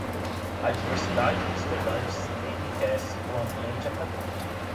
A diversidade de estudantes enriquece o ambiente acadêmico.